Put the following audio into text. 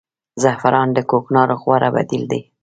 زعفران د کوکنارو غوره بدیل دی